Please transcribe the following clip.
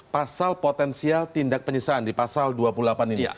pasal potensial tindak penyiksaan di pasal dua puluh delapan ini